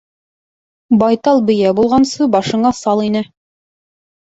Байтал бейә булғансы, башыңа сал йнә.